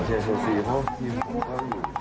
เชื่อโซซีเพราะที่ผมเข้าอยู่